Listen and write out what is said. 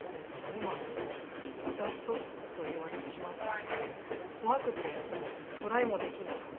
今もうドクターストップと言われてしまったんで怖くてトライもできなくて。